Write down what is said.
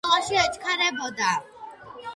ანანოს სკოლაში ეჩქარებოდა